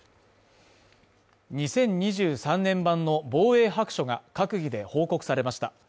２０２３年版の防衛白書が閣議で報告されました